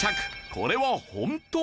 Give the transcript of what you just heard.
これは本当。